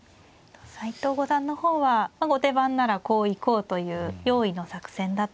斎藤五段の方は後手番ならこう行こうという用意の作戦だったんでしょうね。